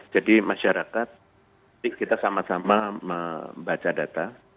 jadi masyarakat kita sama sama membaca data